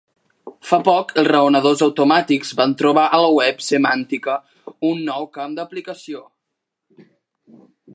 Fa poc els raonadors automàtics van trobar a la web semàntica un nou camp d'aplicació.